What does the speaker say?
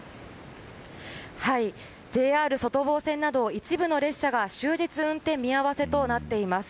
ＪＲ外房線など一部の列車が終日運転見合わせとなっています。